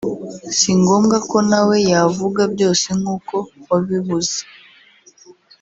si ngombwa ko na we yavuga byose nk’uko wabibuze